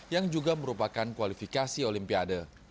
yang juga merupakan kualifikasi olimpiade